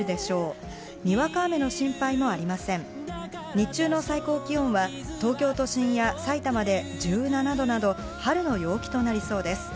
日中の最高気温は、東京都心や埼玉で１７度など春の陽気となりそうです。